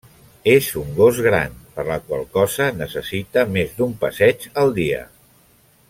És un gos gran per la qual cosa necessita més d'un passeig al dia.